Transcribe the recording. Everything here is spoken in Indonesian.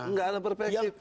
enggak ada perspektif